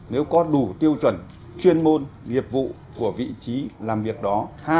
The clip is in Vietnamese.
nếu có đủ tiêu chuẩn chuyên môn nghiệp vụ của vị trí làm việc đó